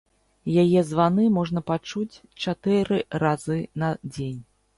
Яе званы можна пачуць чатыры разы на дзень.